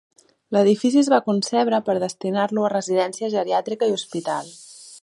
L'edifici es va concebre per destinar-lo a residència geriàtrica i hospital.